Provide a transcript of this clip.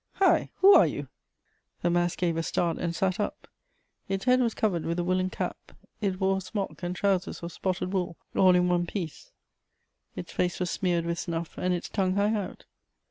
Hi! Who are you?" The mass gave a start and sat up. Its head was covered with a woollen cap; it wore a smock and trousers of spotted wool, all in one piece; its face was smeared with snuff, and its tongue hung out.